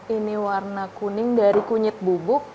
ini warna kuning dari kunyit bubuk